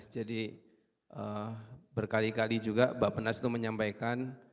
jadi berkali kali juga bapak penas menyampaikan